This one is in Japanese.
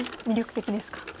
魅力的ですか。